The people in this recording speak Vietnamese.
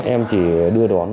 em chỉ đưa đón nè